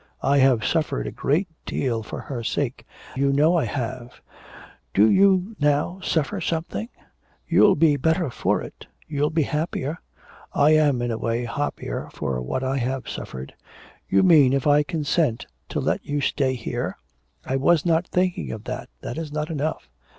I have suffered a great deal for her sake; you know I have. Do you now suffer something. You'll be better for it; you'll be happier. I am in a way happier for what I have suffered.' 'You mean if I consent to let you stay here?' 'I was not thinking of that; that is not enough.'